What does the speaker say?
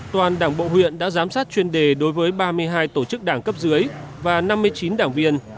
toàn đảng bộ huyện đã giám sát chuyên đề đối với ba mươi hai tổ chức đảng cấp dưới và năm mươi chín đảng viên